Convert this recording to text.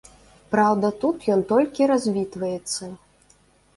Праўда тут ён толькі развітваецца.